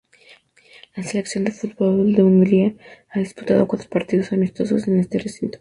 La selección de fútbol de Hungría ha disputado cuatro partidos amistosos en este recinto.